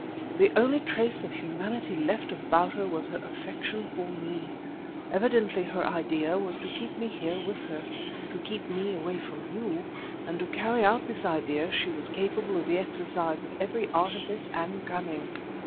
The only trace of humanity left about her was her affection for me. Evidently her idea was to keep me here with her, to keep me away from you, and to carry out this idea she was capable of the exercise of every artifice and cunning.